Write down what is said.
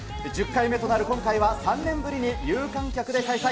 １０回目となる今回は、３年ぶりに有観客で開催。